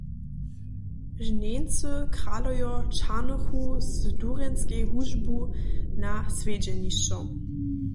Žnjeńscy kralojo ćahnychu z dujerskej hudźbu na swjedźenišćo.